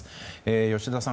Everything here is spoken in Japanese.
吉田さん